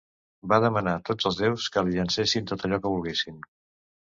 Va demanar a tots els déus que li llencessin tot allò que volguessin.